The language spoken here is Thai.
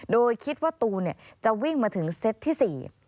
โดยคิดว่าตูนจะวิ่งมาถึงเซตที่๔